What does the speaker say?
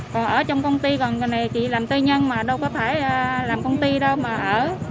còn ở trong công ty gần này chị làm tư nhân mà đâu có phải làm công ty đâu mà ở